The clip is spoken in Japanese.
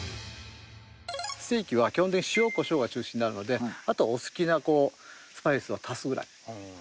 ステーキは基本的に塩コショウが中心になるのであとはお好きなスパイスを足すぐらい。